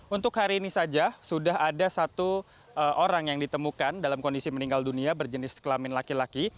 untuk hari ini saja sudah ada satu orang yang ditemukan dalam kondisi meninggal dunia berjenis kelamin laki laki